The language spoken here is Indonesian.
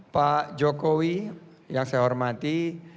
pak jokowi yang saya hormati